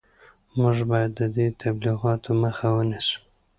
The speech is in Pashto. موږ باید د دې تبلیغاتو مخه ونیسو